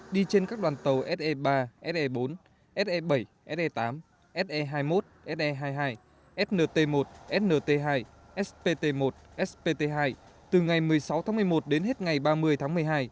đi trên các đoàn tàu se ba se bốn se bảy se tám se hai mươi một se hai mươi hai snt một snt hai spt một spt hai từ ngày một mươi sáu tháng một mươi một đến hết ngày ba mươi tháng một mươi hai